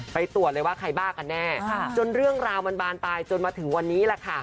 ไปตรวจเลยว่าใครบ้ากันแน่จนเรื่องราวมันบานปลายจนมาถึงวันนี้แหละค่ะ